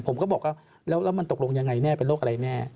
ผมก็บอกว่าแล้วมันตกลงยังไงแน่เป็นโรคอะไรแน่